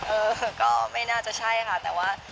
เออก็ไม่น่าจะใช่ค่ะแต่ว่า